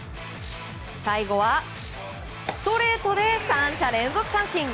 最後はストレートで３者連続三振。